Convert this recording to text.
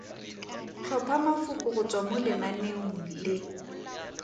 Tlhopha mafoko go tswa mo lenaneong le.